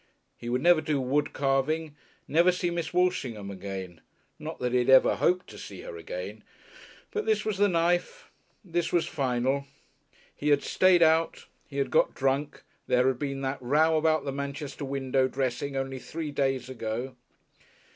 He would never do wood carving, never see Miss Walshingham again. Not that he had ever hoped to see her again. But this was the knife, this was final. He had stayed out, he had got drunk, there had been that row about the Manchester window dressing only three days ago....